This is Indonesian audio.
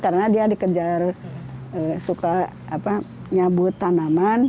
karena dia dikejar suka apa nyabut tanaman